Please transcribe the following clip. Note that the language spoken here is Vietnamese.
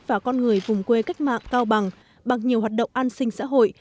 và con người vùng quê cách mạng cao bằng bằng nhiều hoạt động an sinh xã hội